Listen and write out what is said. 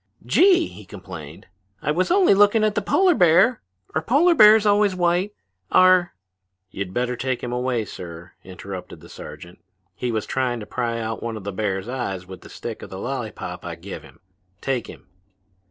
"Gee!" he complained, "I was only looking at the polar bear. Are polar bears always white? Are " "You'd better take him away, sir," interrupted the sergeant. "He was trying to pry out one of the bear's eyes with the stick of the lollypop I give him. Take him."